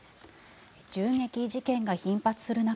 銃撃事件が頻発する中